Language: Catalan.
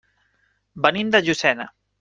Venim de Llucena.